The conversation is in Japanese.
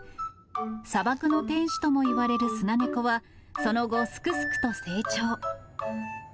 砂漠の天使ともいわれるスナネコは、その後、すくすくと成長。